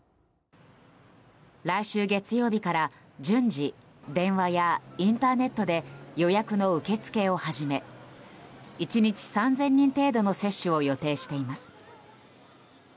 来週月曜日から順次、電話やインターネットで予約の受け付けを始め１日３０００人程度の接種を予定しています。